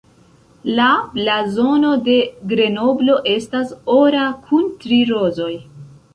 La blazono de Grenoblo estas ora kun tri rozoj.